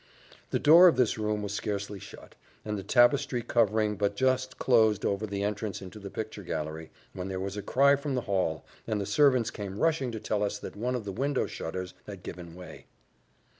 The door of this room was scarcely shut, and the tapestry covering but just closed over the entrance into the picture gallery, when there was a cry from the hall, and the servants came rushing to tell us that one of the window shutters had given way.